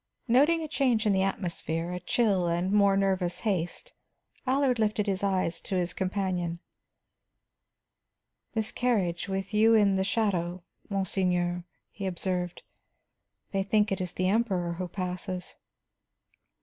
Noting a change in the atmosphere, a chill and more nervous haste, Allard lifted his eyes to his companion. "This carriage, and with you in the shadow, monseigneur," he observed, "they think it is the Emperor who passes."